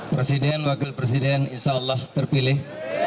presiden wakil presiden insyaallah terpilih